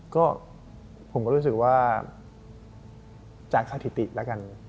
ก็ผมก็รู้สึกว่าจากสถิติแล้วกัน